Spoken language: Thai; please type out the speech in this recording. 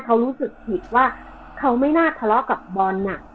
เขารู้สึกผิดว่าเขาไม่น่าทะเลาะกับบอลน่ะ